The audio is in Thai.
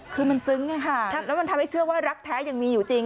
คือมันซึ้งแล้วมันทำให้เชื่อว่ารักแท้ยังมีอยู่จริง